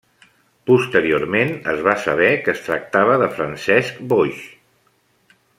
Posteriorment es va saber que es tractava de Francesc Boix.